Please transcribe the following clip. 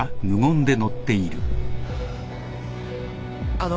あの。